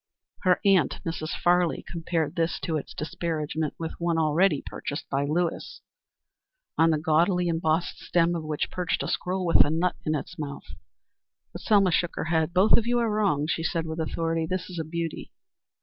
Her aunt, Mrs. Farley, compared this to its disparagement with one already purchased by Lewis, on the gaudily embossed stem of which perched a squirrel with a nut in its mouth. But Selma shook her head. "Both of you are wrong," she said with authority. "This is a beauty."